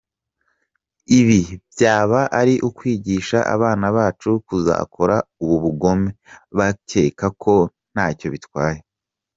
Ibi byaba ari ukwigisha abana bacu kuzakora ubu bugome bakeka ko ntacyo bitwaye”.